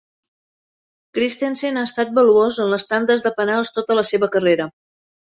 Christensen ha estat valuós en les tandes de penals tota la seva carrera.